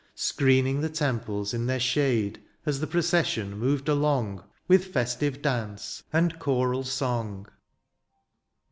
Screening the temples in their shade. As the procession moved along With festive dance, and choral song.